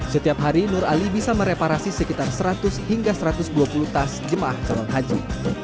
setiap hari nur ali bisa mereparasi sekitar seratus hingga satu ratus dua puluh tas jamaah calon haji